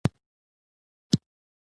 هغه هند ته پام وکړ.